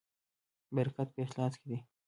برکت په اخلاص کې دی